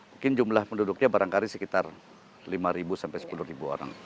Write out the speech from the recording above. mungkin jumlah penduduknya barangkali sekitar lima sampai sepuluh orang